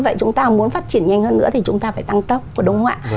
vậy chúng ta muốn phát triển nhanh hơn nữa thì chúng ta phải tăng tốc của đồng ngoại